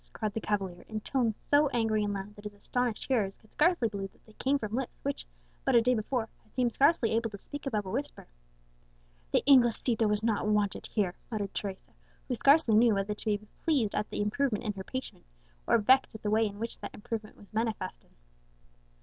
cried the cavalier, in tones so angry and loud that his astonished hearers could scarcely believe that they came from lips which, but a day before, had seemed scarcely able to speak above a whisper. "The Inglesito was not wanted here," muttered Teresa, who scarcely knew whether to be pleased at the improvement in her patient, or vexed at the way in which that improvement was manifested.